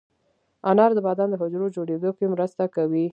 انار د بدن د حجرو جوړېدو کې مرسته کوي.